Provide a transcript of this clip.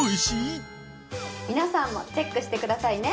皆さんもチェックしてくださいね。